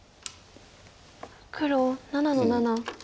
黒７の七。